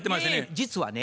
実はね